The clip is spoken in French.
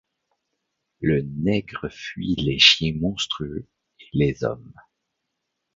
Le nègre fuit les chiens monstrueux, et les hommes